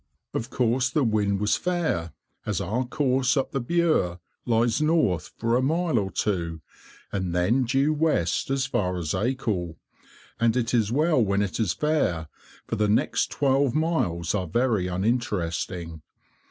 Of course the wind was fair, as our course up the Bure lies north for a mile or two, and then due west as far as Acle; and it is well when it is fair, for the next twelve miles are very uninteresting.